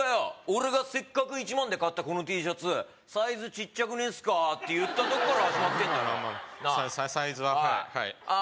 俺がせっかく１万で買ったこのＴシャツサイズちっちゃくねえっすか？って言ったとこから始まってんだよまあまあサイズははいはいなあ？